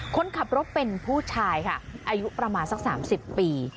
คนขับรถเป็นผู้ชายค่ะอายุประมาณสัก๓๐ปี